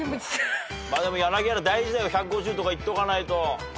でも柳原大事だよ１５０とかいっとかないと。